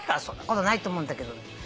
そんなことないと思うんだけど。